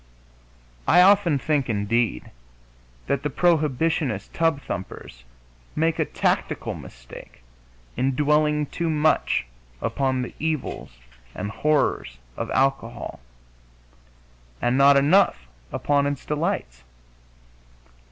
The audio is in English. I often think, indeed, that the prohibitionist tub thumpers make a tactical mistake in dwelling too much upon the evils and horrors of alcohol, and not enough upon its delights.